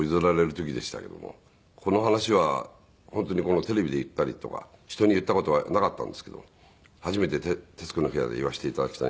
この話は本当にテレビで言ったりとか人に言った事はなかったんですけど初めて『徹子の部屋』で言わせて頂きたいんですけど。